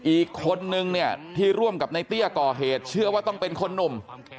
อีกคนนึงเนี่ยที่ร่วมกับในเตี้ยก่อเหตุเชื่อว่าต้องเป็นคนหนุ่ม